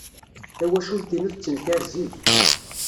Tawacult-inu tettenkar zik.